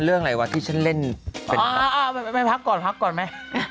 เรื่องอะไรวะที่ฉันเล่นเป็นแม่พักก่อนพักก่อนไหม